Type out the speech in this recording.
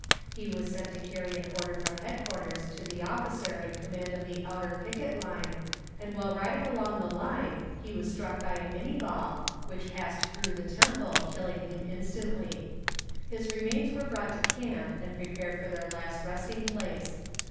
He was sent to carry an order from headquarters to the officer in command of the outer picket line, and while riding along the line he was struck by a Minnie ball, which passed through the temple, killing him instantly. His remains were brought to camp and prepared for their last resting place.